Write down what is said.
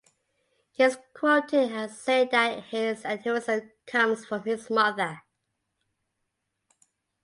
He is quoted as saying that his activism comes from his mother.